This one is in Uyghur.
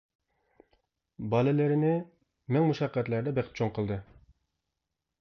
بالىلىرىنى مىڭ مۇشەققەتلەردە بېقىپ چوڭ قىلدى.